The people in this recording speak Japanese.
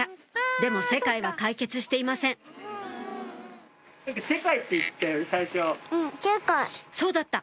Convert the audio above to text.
でも「世界」は解決していませんそうだった！